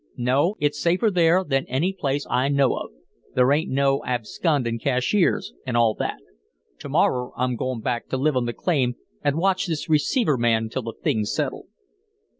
No; it's safer there than any place I know of. There ain't no abscondin' cashiers an' all that. Tomorrer I'm goin' back to live on the claim an' watch this receiver man till the thing's settled."